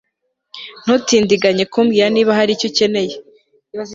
Ntutindiganye kumbwira niba hari icyo ukeneye